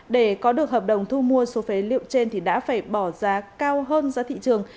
để có được hợp đồng thu mua số phế liệu trên thì đã phải bỏ giá cao hơn giá thị trường